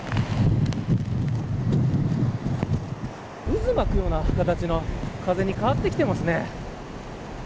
渦を巻くような形の風に変わってきていますね。